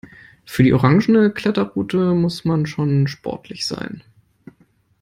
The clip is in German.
Für die orange Kletterroute muss man schon sportlich sein.